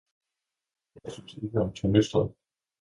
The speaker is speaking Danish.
Jeg syntes ikke om tornystret.